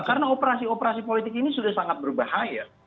karena operasi operasi politik ini sudah sangat berbahaya